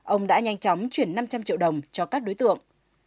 ông đã nhanh chóng chuyển năm trăm linh triệu đồng cho các đối tượng